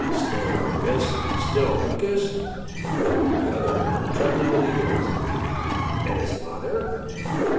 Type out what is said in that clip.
"Still Uncas! still Uncas!" echoed the other, trembling with eagerness. "And his father?"